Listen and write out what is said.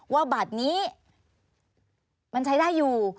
ว่าบัตรนี้มันใช้ได้อยู่